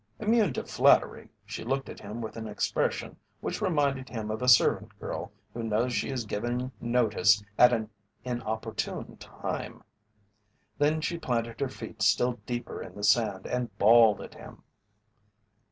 Immune to flattery, she looked at him with an expression which reminded him of a servant girl who knows she is giving notice at an inopportune time. Then she planted her feet still deeper in the sand and bawled at him.